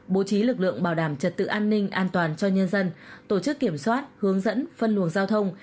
bố trí lực lượng bảo đảm trật tự an ninh an toàn cho nhân dân tổ chức kiểm soát hướng dẫn phân luồng giao thông